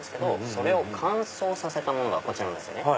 それを乾燥させたものがこちらなんですね。